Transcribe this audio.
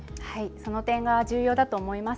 その点、重要だと思います。